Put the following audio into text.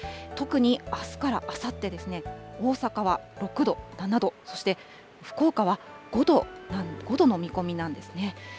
特にあすからあさってですね、大阪は６度、７度、そして福岡は５度の見込みなんですね。